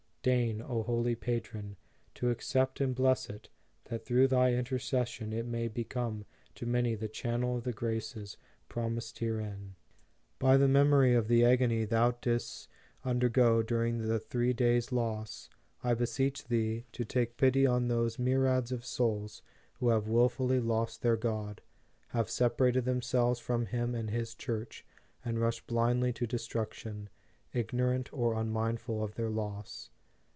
Deign, O Holy Patron, to accept and bless it, that through thy intercession it may be come to many the channel of the graces promised herein. By the memory of the agony thou didst io Dedication. undergo during the three days loss, I beseech thee, to take pity on those myriads of souls who have wilfully lost their God, have separated themselves from Him and His Church, and rush blindly to destruction, ignorant or unmindful of their loss.